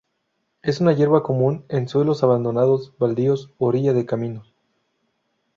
Es una hierba común en suelos abandonados, baldíos, orilla de caminos.